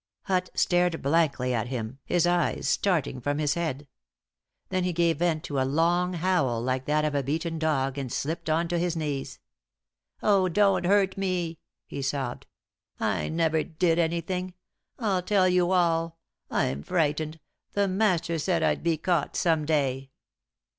Hutt stared blankly at him, his eyes starting from his head. Then he gave vent to a long howl like that of a beaten dog, and slipped on to his knees. "Oh, don't hurt me!" he sobbed. "I never did anything! I'll tell you all. I'm frightened the master said I'd be caught some day!"